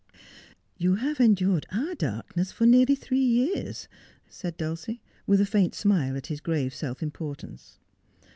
21G Just as I Am. ' You have endured our darkness for nearly three years,' said Dulcie, with a faint smile at his grave self importance.